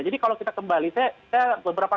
jadi kalau kita kembali saya beberapa